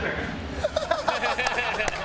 ハハハハ！